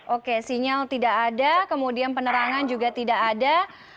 oke sinyal tidak ada kemudian penerangan juga tidak ada